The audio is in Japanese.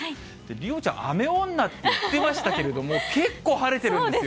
梨央ちゃん、雨女って言ってましたけれども、結構晴れてるんですよ。